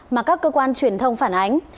mà các cơ quan truyền thông phản ánh